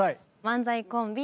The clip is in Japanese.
漫才コンビ